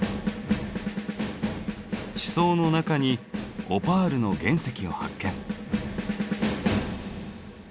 地層の中にオパールの原石を発見。